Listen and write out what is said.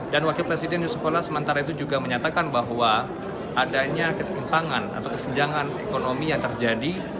dan wakil presiden yusuf kalla sementara itu juga menyatakan bahwa adanya ketimpangan atau kesenjangan ekonomi yang terjadi